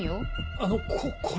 あのここれ。